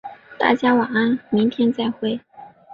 大家晚安，明天再会。